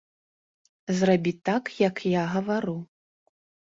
Зрабі так, як я гавару.